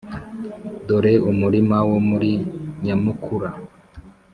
dore umurima wo muri nyamukura